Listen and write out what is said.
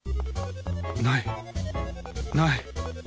ないない！